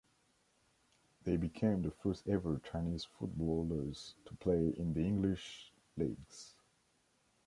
They became the first ever Chinese footballers to play in the English leagues.